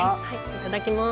いただきます。